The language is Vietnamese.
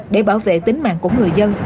để bảo vệ tính mạng của người dân